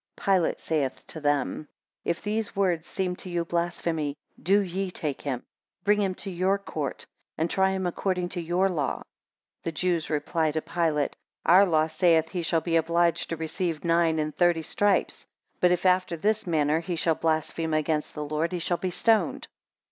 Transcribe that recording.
13 Pilate saith to them, If these words seem to you blasphemy, do ye take him, bring him to your court, and try him according to your law. 14 The Jews reply to Pilate, Our law saith, he shall be obliged to receive nine and thirty stripes, but if after this manner he shall blaspheme against the Lord, he shall be stoned.